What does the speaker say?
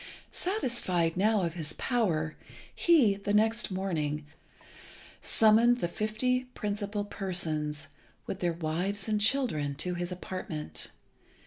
Satisfied now of his power, he, the next morning, summoned the fifty principal persons, with their wives and children, to his apartment.